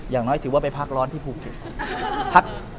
อย่างน้อยถือว่าไปพักร้อนที่ภูเก็ต